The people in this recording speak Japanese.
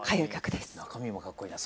中身もかっこいいな。